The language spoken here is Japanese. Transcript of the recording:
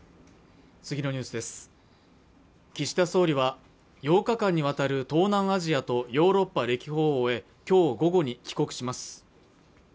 岸田総理は８日間にわたる東南アジアとヨーロッパ歴訪を終えきょう午後に帰国します